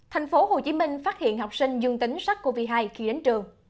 tp hcm phát hiện học sinh dương tính sars cov hai khi đến trường